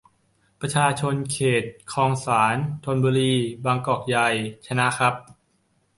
ประชาชนเขต คลองสาน ธนบุรี บางกอกใหญ ชนะครับ